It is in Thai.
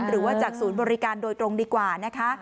หรือว่าจากศูนย์บริการโดยตรงดีกว่านะคะ